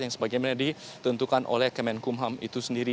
yang sebagaimana ditentukan oleh kemenkumham itu sendiri